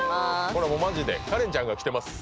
これはもうマジでカレンちゃんが着てます